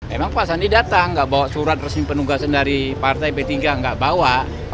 emang pak sandi datang nggak bawa surat resmi penugasan dari partai p tiga nggak bawa